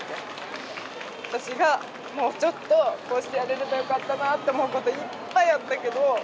私がもうちょっとこうしてやれればよかったなって思うこといっぱいあったけど。